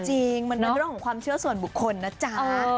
จริงมันเป็นเรื่องของความเชื่อส่วนบุคคลนะจ๊ะ